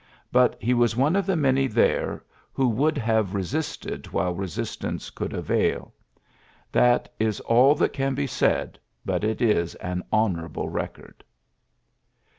... But he was one of the many there who would have re sisted while resistance could avail. That is all that can be said, but it is an hon ourable record."